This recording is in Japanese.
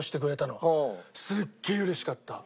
すっげえうれしかった。